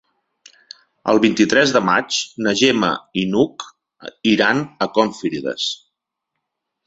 El vint-i-tres de maig na Gemma i n'Hug iran a Confrides.